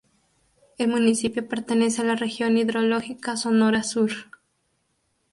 El municipio pertenece a la región hidrológica Sonora Sur.